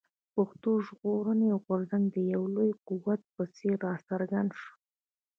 پښتون ژغورني غورځنګ د يو لوی قوت په څېر راڅرګند شو.